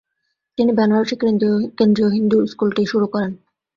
তিনি বেনারসে কেন্দ্রীয় হিন্দু স্কুলটি শুরু করেন।